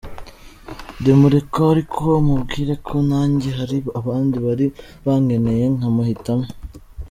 Ndamureka ariko mubwira ko nanjye hari abandi bari bankeneye nkamuhitamo.